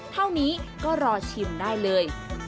เท่านี้ก็รอชิมได้เลย